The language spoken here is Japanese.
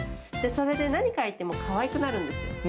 それで何描いてもかわいくなるんですよ。